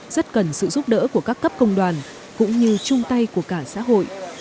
rất cần sự giúp đỡ của các cấp công đoàn cũng như chung tay của cả xã hội